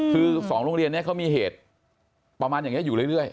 คือ๒โรงเรียนนี้เขามีเหตุประมาณอย่างนี้อยู่เรื่อย